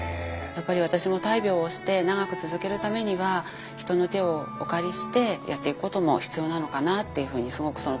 やっぱり私も大病をして長く続けるためには人の手をお借りしてやっていくことも必要なのかなっていうふうにすごくその時に考え直しました。